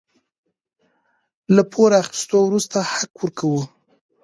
له پور اخيستو وروسته حق ورکوو.